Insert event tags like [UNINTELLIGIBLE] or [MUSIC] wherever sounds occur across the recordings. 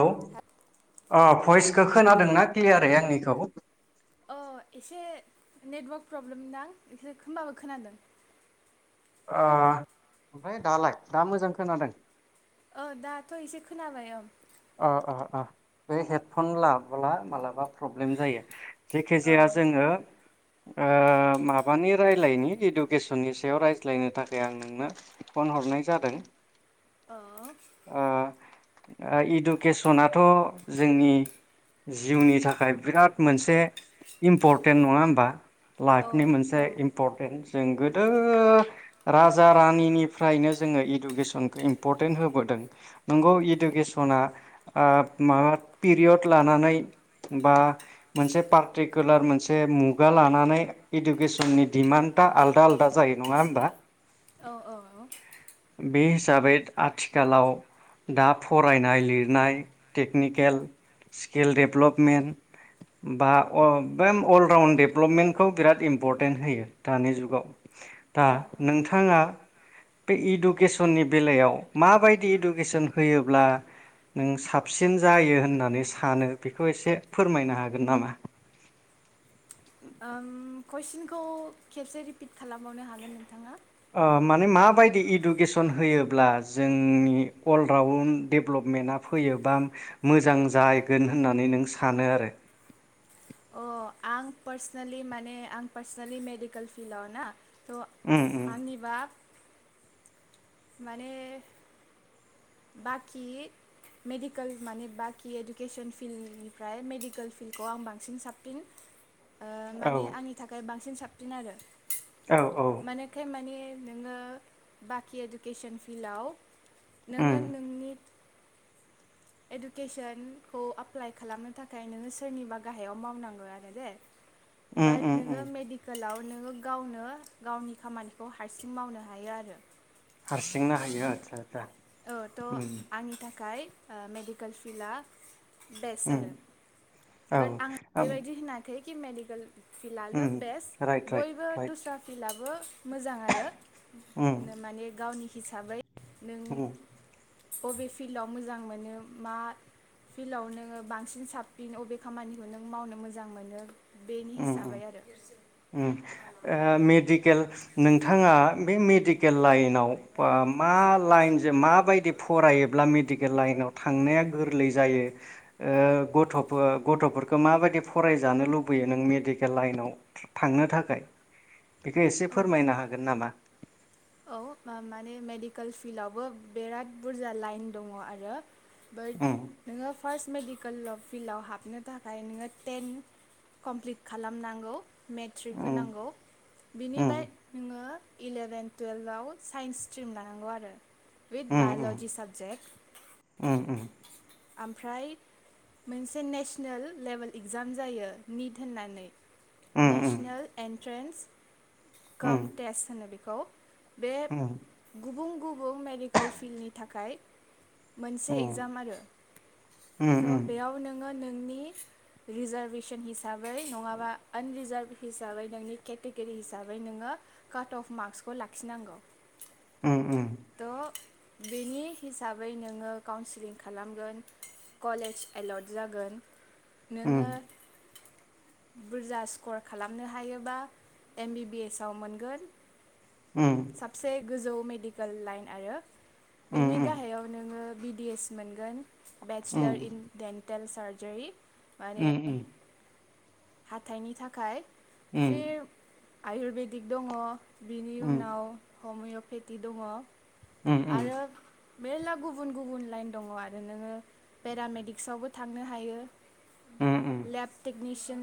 औ अ फयस खोनादोंना क्लियारै आंनिखौ अ एसे नेटवार्क प्रब्लेमदां एसे होमबाबो खोनादों ओ ओमफ्राय दालाय दा मोजां खोनादों औ दाथ' एसे खोनाबाय औ अ अ बे हेडफन लाबोब्ला माबलाबा प्रब्लेम जायो जेखि जाया जोङो ओ माबानि रायलायनि इडुकेसननि सायाव रायज्लायनो थाखाय आं नोंनो फन हरनाय जादों औ अ [INAUDIBLE] इडुकेसनाथ' जोंनि जिउनि थाखाय बिराद मोनसे इम्परटेन्ट नङा होमबा औ लाइफनि मोनसे औ इम्परटेन्ट जों गो दो राजा रानिनिफ्रायनो जोङो इडुकेसनखौ इम्पर्टेन्ट होबोदों नंगौ इइुकेसन सना ओ पिरियड लानानै बा मोनसे पार्टिकुलार मोनसे मुगा लानानै इडुकेसननि डिमान्दा आलदा आलदा जायो नङा होमबा। औ औ औ बे हिसाबै आथिखालाव दा फरायनाय लिरनाय टेकनिकेल स्किल डेभेलपमेन्ट बा अलराउन्ड डेभलपमेन्टखौ बिराद इम्परटेन्ट होयो दानि जुगाव। दा औ नोंथाङा बे इडुकेसननि बेलायाव माबायदि इडुकेसन होयोब्ला नों साबसिन जायो होननानै सानो बेखौ एसे फोरमायनो हागोन नामा? उम कुइसनखौ खेबसे रिपिट खालामबावनो हागोन नोंथाङा। ओ माने माबायदि इडुकेसन होयोब्ला जोंनि अलराउन्ड डेभेलपमेन्टआ फैयो बा मोजां जागोन होननानै नों सानो आरो अ आं पार्सनेलि माने आं पार्सनेलि मेडिकेल फिल्डआव ना। थ' उम उम आंनि बा माने बाखि मेडिकेल माने बाखि इडुकेसन फिल्डनिफ्राय मेडिकेल फिल्डखौ आं बांसिन साबसिन। ओ औ माने आंनि थाखाय बां सिन साबसिन आरो औ औ माने खाय माने नोङो बाखि एडुकेसन फिल्डाव उम नोङो नोंनि इडुकेसनखौ एप्लाइ खालामनो थाखाय नोङो सोरनिबा गाहायाव मावनांगौ आरो दे। उम उम बाट उम नोंङो मेडिकेलाव नोङो गावनो गावनि खामानिखौ हारसिं मावनो हायो आरो हारसिंनो आतसा औ थ' आंनि थाख खाय मेडिकोल फिला बेस्ट उम आरो औ बाट आं ओम बेबायदि होनाखै कि मेडिगोल उम फिलानो बेस्ट राइट राइट बयबो राइट दस्रा फिल्डाबो बो मोजां आरो उम माने गावनि हिसाबै नों उम बबे फिल्डाव मोजां मोनो मा फिल्डआव नोङो बांसिन साबसिन बबे खामानिखौ नों मावनो मोजां मोनो। बेनि उम उम हिसाबै आरो उम ओ मेडि केल नोंथाङा बे मेडिकेल लाइनआव बा मा लाइनजों माबायदि फरायोबा मेडिकेल लाइनआव थांनाया गोरलै जायो ओ गथ'फोर गथ'फोरखो माबादि फरायजानो लुब बैयो नों मेडिकेल लाइनाव थांनो थाखाय। बेखौ एसे औ फोरमायनो हागोन नामा? औ मा-माने मेडिकेल फिल्डआवबो बिराद बुरजा लाइन दङ आरो बाट उम नोङो फार्स्ट मेडिक कोल अफ फिल्डआव हाबनो थाखाय नोङो टेन कमप्लिट खालामनांगौ। मेथ्रिक उम होनांगौ बिनिबाय नोङो इलेभेन टुवेल्भआव साइन्स स्ट्रिम लानांगौ आरो। हुइद उम बायलजि साबजेक्ट उम उम आमफ्राय मोनसे नेसनेल लेभेल इगजाम जायो निट होननानै उम नेसनेल एन ट्रेन्स उम कामटेस होनो बेख गौ। बे उम गुबुं गुबुं मेडिकेल फिल्डनि थाखाय मोनसे उम एगजाम आरो उम उम स' बेयाव नोङो नों नोंनि रिजार्भेसन हिसाबै नङाबा आनरिजार्भ हिसाबै नोंनि केटेगरि हिसाबै नोङो काट अफ मार्कसखौ लाख खिनांगौ। उम उम। त' बेनि हिसाबै नोङो काउन्सिलिं खालामगोन कलेज एल'ट जागोन। नोङो बुरजा स्कर खालामनो हायोबा एम बि बि एस आव मोनगोन। उम साबसे गोजौ मेडिक कोल लाइन आरो बिनि गाहायाव नोङो बि डि एस मोनगोन। उम बेचलार इन डेन टेल सार्जारि माने उम उम हाथाइनि थाखाय जोबोद सिब आयुरबेदिक दङ बिनि उनाव हमिय'पेथि दङ आरो मेरला गुबुन गुबुन लाइन दंङ आरो नोंङो पेरामेडिक्सआवबो थांनो हायो। लेपटेकनिस जों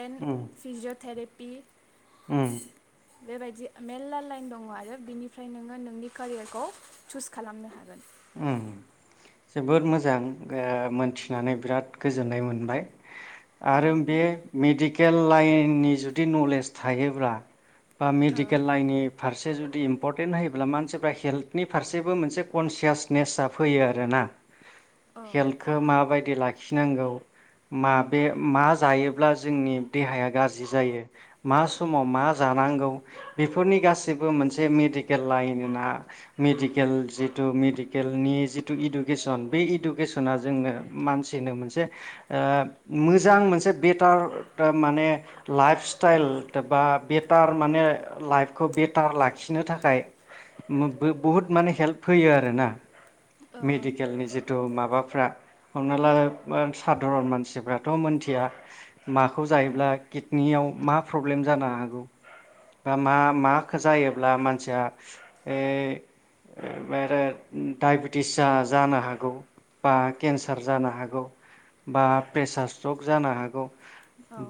एन्ड फिजियथेलिप बि उम बेबायदि मेरला लाइन दंङ आरो बिनिफ्राय नोंङो नोंनि केरियारखौ चुस खालामनो हागोन। उम जोबोद मोजां ओ मोनथिनानै बिराद गोजोननाय मोनबाय। अ आरो बे मेडिक केल लाइननि जुदि नलेज थायोब्ला बा मेडिकेल लाइननि फारसे जु दि इम्परटेन्ट होयोब्ला मानसिफ्रा हेल्थनि फारसेबो मोनसे कनसियेस नेसा फैयो आरोना। हेल्थखो माबाय दि लाखिनांगौ मा बे मा जायोब्ला जोंनि देहाया गाहाम गाज्रि जायो मा समाव मा जानांगौ बेफोरनि गासैबो मोनसे मेडिकेल लाइना मेडिकेल जिथु मेदि केलनि जिथु इडुकेसन बे इडुकेसना जोंनो मानसिनो मोनसे ओ मोजां मोनसे बेटार माने लाइफ स्टाइल बा बेटार माने लाइफखौ बेटार लाखिनो थाखाय मो बुहुत माने हेल्प होयो आरोना। मेडिकेलनि जिथु मा बाफ्रा हमना ला सादारन मानसिफ्राथ' मोनथिया माखौ जायोब्ला किडनियाव मा प्रब्लेम जानो हागौ बा मा माखो जायोब्ला मानसिया ओ [UNINTELLIGIBLE] डायबेटिस जा जानो हागौ बा केन्सार जानो हागौ बा प्रेसार स्ट्रक जानो हागौ।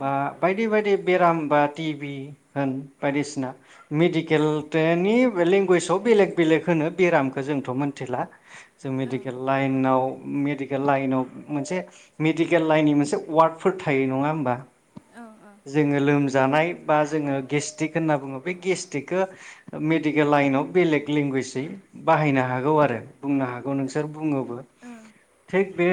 बा बायदि बायदि बेराम बा टि भि होन बायदिसिना मेदिकेल थेनि लगुवेजाव बेले बेले होन बेरामखौ जोंथ' मोन थिला जों मेडिकेल लाइनाव मेडिकेल लाइनाव मोनसे मेडिकेल लाइननि मोनसे वार्डफोर थायो नंङा होमबा? जोंङो लोम जानाय बा जोंङो गेस्टिक होनना बुंङो बे गेटकखौ मेडिकेल लाइनाव बेलेग लेंगुवेजै बाहायनो हागौ आर रो बुंनो हागौ नोंसोर बुंङोबो थिग बे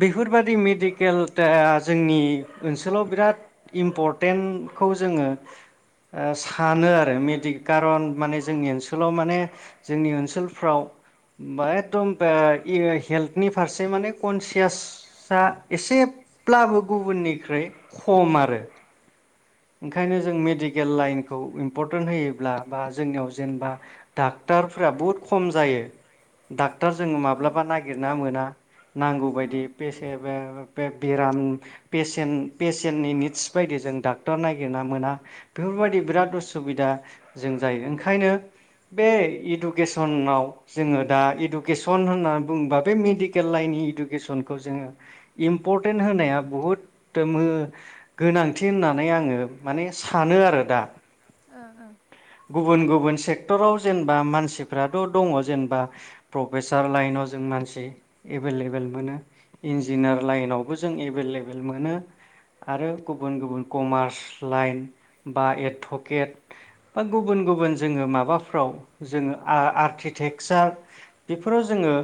बेफोरबादि मेडिकेल था जोंनि ओनसोलाव बिराद इम्परटेन्टखौ जोंङो ओ सानो आरो मेदिक कारन माने जोंनि ओनसोलाव माने जोंनि ओनसोल फ्राव बा एकदम बा ये हेल्थनि फारसे माने कनसियासा एसेब्लाबो गुबुननिख्रुइ खम आरो। ओंखायनो जों मेडिकेल लाइनखौ इम्परटेन्ट होयोब्ला बा जोंनियाव जेनेबा डाक्टरफोरा बुहुद खम जायो। दा जोंङो माब्लाबा नागिरना मोना नांगौ बायदि पेसे-बे बेराम पेसेन्ट पेसेन्टनि निडस बायदि जोंङो डा टर निर ना मोना बेफोरबायदि बिराद उसुबिदा जों जायो। ओंखायनो बे इडुकेसनाव जोंङो दा इडुकेसन होननानै बुंङोबा बे मेडिकेल लाइननि इडुकेसनखौ जोंङो इम्परटेन्ट होनाया बुहुद गोनांथि होनना नै आंङो माने सानो आरो दा। ओं ओं गुबुन गुबुन सेक्टराव जेनेबा मानसिफ्राथ' दंङ जेनेबा प्रफेसार लाइनाव जों मानसि एभेलेबेल मोनो इन्जिनियार लाइनावबो जों एभेलेबेल मोनो आरो गुबुन गुबुन कमार्स लाइन बा एडटकेट बा गुबुन गुबुन जोंङो माबाफ्राव जोंङो आ आर्किटेकसार बेफोराव जोंङो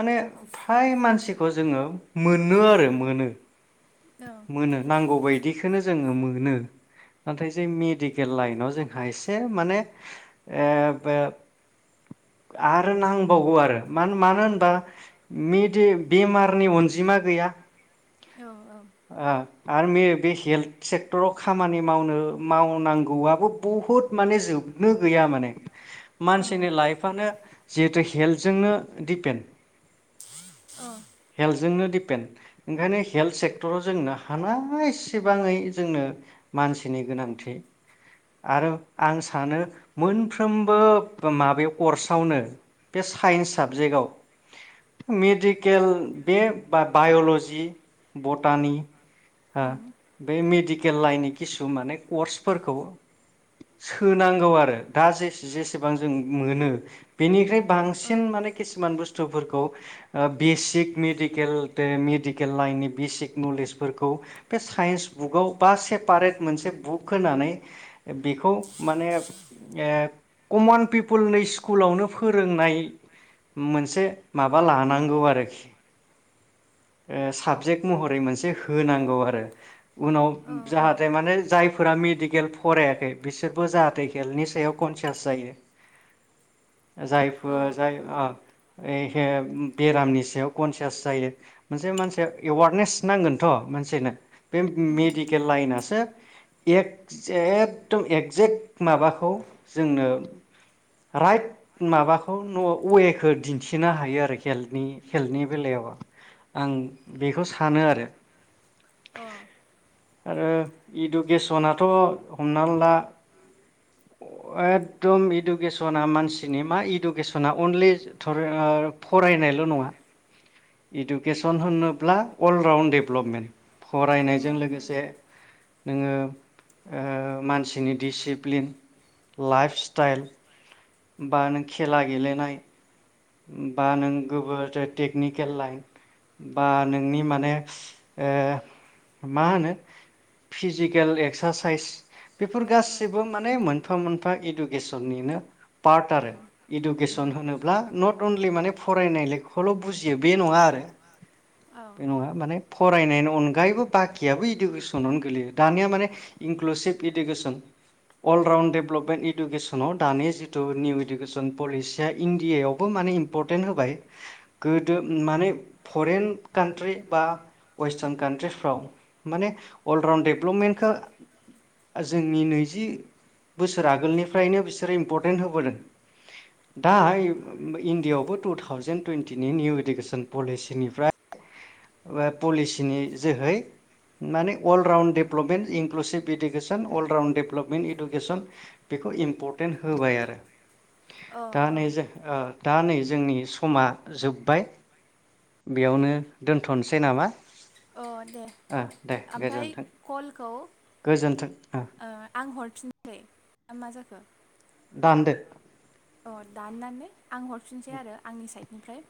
माने फ्राय मानसिखौ जोंङो मोनो आरो मोनो। मोनो नांगौ बायदि जोङो मोनो नाथाय जों मेडिकेल लाइनाव जोंहा एसे माने ओ बो आरो नांबावगौ आरो मान-मानोहोनबा मेदि बेमारनि अनजिमा गैया आ आरो मे बे हेल्थ सेक्टराव खामानि मावनो मावनांगौआबो बहुद माने जोबनो गैया माने मानसिनि लाइफआनो जिहेथु हेल्थजोंनो दिपेन्ड जोंनो दिपेन्दड ओंखाय हेल्ट से डक्टराव जोंनो हानाय एसेबाङै जोंनो मानसिनि गोनांथि आरो आं सानो मोनफ्रोमबो माबायाव कर्सआवनो बे साइन्स साबजेक्टआव मेडिकेल बे बाय'लजि थानि आ बे मेडि केल लाइन नि खिसु माने कर्सफोरखौ सोनांगौ आरो दा जेसे-जेसेबां जों मोनो बिनिफ्राय बांसिन माने किसुमान बुस थुफोरखौ ओ बेसिक मेडिकेल तेन मेडिकेल लाइननि बेसिक नलेजफोरखौ बे साइन्स बुकाव बा सेपारेट मोनसे बुक होनानै बेखौ माने ओ कमन पिपोलनि स्कुलावनो फोरोंनाय मोनसे माबा लानांगौ आरोखि ओ साबजेक्ट महर थै मोनसे होनांगौ आरो उनाव जाहाथे माने जाय जायफोरा मेडिकेल फरायाखै बिसोरबो जाहाथे हेल्थनि सायाव कनसियास जायो जायफोर जाय आ ओ बेरामनि सायाव कनसियास जायो मोनसे मानसिया एवारनेस नांगोनथ' मानसिनो बे मेडिकेल लाइनासो एक जे एगदम एकजेक्ट माबाखौ जोंनो राइट माबाखौ वेखौ दिन्थिनो हायो आरो हेल्थनि हेल्थनि बेलायाव आं बेखौ सा सानो आरो अ आरो इडुकेसनाथ' हम हमना ला एकदम इडुकेसना मानसिनि मा इडुकेसना अनलि थरि ओ फरायनायल' नङा इडुकेसन होनोब्ला अल राउन्ड डेभलपमेन्ट फरायनायजों लोगोसे नोङो ओ मानसिनि दिसिप्लिन लाइफ स्टाइल बा नों खेला गेलेनाय बा नों गोबोर टेकनिकेल लाइन बा नोंनि माने ओ मा होनो फिजिकेल एक्सारसाइस बेफोर गासिबो माने मोन मोनफा मोनफा इडुकेसननिनो पार्ट आरो इडुकेसन होनोब्ला नट अनलि माने फरायनाय लेखखौल' बुजियो बे नङा आरो बे नङा माने फरायनायनि अनगायैबो बाखियाबो इडुकेसनावनो गोलैयो दानिया माने इनक्लुसिभ इडुकेसन अलराउन्ड डेभेलपमेन्ट इडुकेसनाव दानि जिथु निउ इडुकेसन पलिसिया इण्डियआव बो माने इम्परटेन्ट होबाय गोदो माने फरेन कान्ट्रि बा वेस्टारन कान्ट्रिफ्राव माने अलराउन्ड डेभलपमेन्टखौ जोंनि नैजि बोसोर आगोलनिफ्रायनो बिसोरो इम्परटेन्ट होबोदों दा इण्डिआवबो टु थावजेन टुवन्टिनि निउ इडुकेसन पलिसिनिफ्राय पलिसिनि जोहै माने all round development inclusive education all round development education बेखौ इम्परटेन्ट होबाय आरो औ दा औ नै जों ओ दा नै जोंनि समा जोब्बाय बेयावनो दोनथ नोसै नामा। अ दे ओ दे ओमफ्राय गोजोन्थों कलखौ ओ गोजोन्थों ओ आं हरफिनसै मा जायो? खो दान्दो औ दानानै आं हरफिनसै आरो आंनि साइ- ओमफ्राय